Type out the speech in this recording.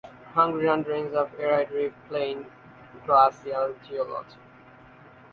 Hungry Run drains of Erie Drift Plain (glacial geology).